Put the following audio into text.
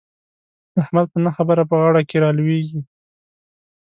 احمد په نه خبره په غاړه کې را لوېږي.